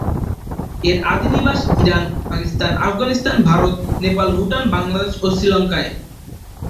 এর আদি নিবাস ইরান, পাকিস্তান, আফগানিস্তান, ভারত, নেপাল, ভুটান, বাংলাদেশ ও শ্রীলঙ্কায়।